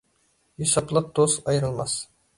ھېسابلىق دوست ئايرىلماس.